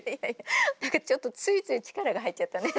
何かちょっとついつい力が入っちゃったね。